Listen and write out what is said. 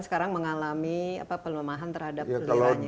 sekarang mengalami pelemahan terhadap peliranya